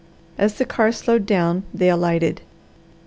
As the car slowed down, they alighted.